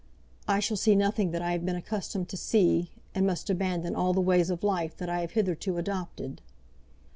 I shall see nothing that I have been accustomed to see, and must abandon all the ways of life that I have hitherto adopted.